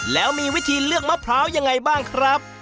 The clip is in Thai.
แล้วมีวิธีเลือกมะพร้าวยังไงบ้างครับ